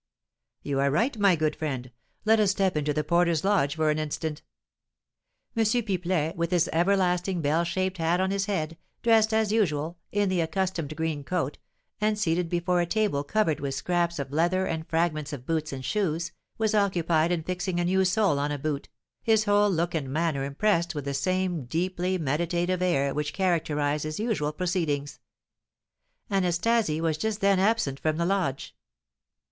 "You are right, my good friend; let us step into the porter's lodge for an instant." M. Pipelet, with his everlasting bell shaped hat on his head, dressed, as usual, in the accustomed green coat, and seated before a table covered with scraps of leather and fragments of boots and shoes, was occupied in fixing a new sole on a boot, his whole look and manner impressed with the same deeply meditative air which characterised his usual proceedings. Anastasie was just then absent from the lodge.